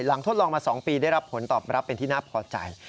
ทดลองมา๒ปีได้รับผลตอบรับเป็นที่น่าพอใจ